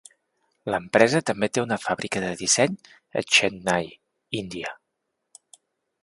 L'empresa també té una fàbrica de disseny a Txennai, Índia.